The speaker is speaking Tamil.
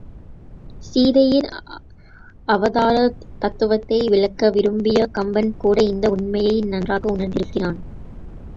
சீதையின் அவதார தத்துவத்தை விளக்க விரும்பிய கம்பன் கூட இந்த உண்மையை நன்றாக உணர்ந்திருக்கிறான்.